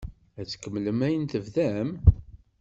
Ad tkemmlem ayen tebdam?